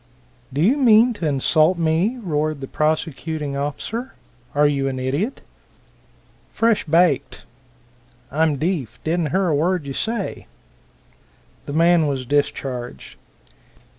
"Do you mean to insult me?" roared the prosecuting officer. "Are you an idiot?" "Fresh baked. I'm deefe. I don't hear a word you say." The man was discharged.